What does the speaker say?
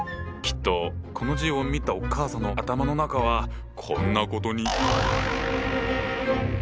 きっとこの字を見たお母さんの頭の中はこんなことに。